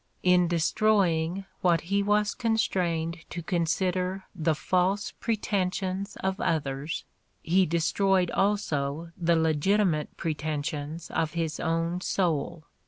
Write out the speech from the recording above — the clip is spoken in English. '' In destroying what he was con strained to consider the false pretensions of others, he destroyed also the legitimate pretensions of his own soul.